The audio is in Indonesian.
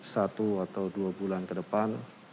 satu atau dua bulan ke depan